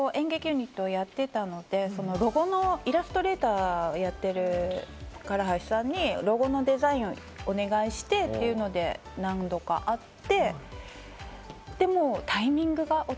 私が演劇ユニットをやっていたので、ロゴのイラストレーターをやってる唐橋さんにロゴのデザインをお願いしてというので、何度か会って。